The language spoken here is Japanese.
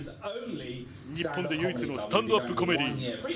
日本で唯一のスタンドアップコメディー。